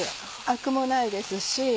アクもないですし。